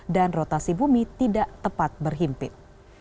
dan rotasi bumi tidak tepat berhimpit